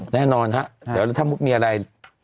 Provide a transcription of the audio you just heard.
แน่นอนถ้ามีอะไร